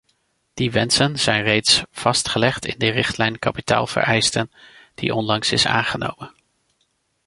Die wensen zijn reeds vastgelegd in de richtlijn kapitaalvereisten die onlangs is aangenomen.